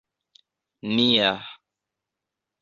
nia